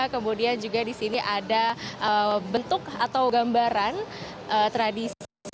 kemudian juga di sini ada bentuk atau gambaran tradisi